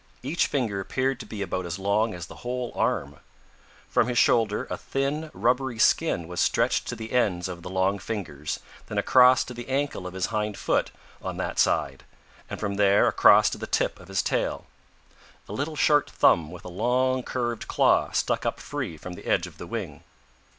Each finger appeared to be about as long as the whole arm. From his shoulder a thin, rubbery skin was stretched to the ends of the long fingers, then across to the ankle of his hind foot on that side, and from there across to the tip of his tail. A little short thumb with a long, curved claw stuck up free from the edge of the wing.